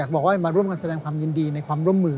อยากบอกว่าเรามาร่วมกันแสดงความยินดีและความร่วมมือ